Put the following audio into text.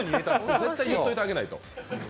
絶対に言っといてあげないと。